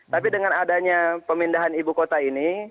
tapi dengan adanya pemindahan ibu kota ini